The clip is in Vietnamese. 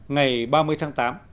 ngày ba mươi tháng tám